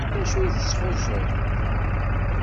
D acu tesxuẓẓuḍeḍ?